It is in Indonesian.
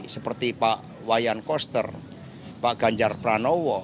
seperti pak wayan koster pak ganjar pranowo